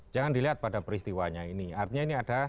jangan dilihat pada peristiwanya ini artinya ini ada